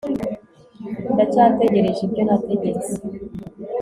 ndacyategereje ibyo nategetse